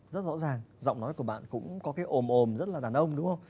rất rõ ràng giọng nói của bạn cũng có cái ồm ồm rất là đàn ông đúng không